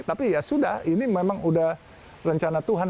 tapi ya sudah ini memang sudah rencana tuhan